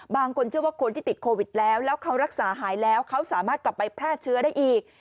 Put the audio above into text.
บางคนเชื่อว่าคนที่ติดโควิดแล้วแล้วเขารักษาหายแล้วเขาสามารถกลับไปแพร่เชื้อได้อีก